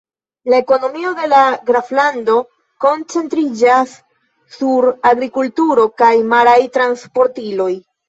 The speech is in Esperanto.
La ekonomio de la graflando koncentriĝas sur agrikulturo kaj maraj transportiloj.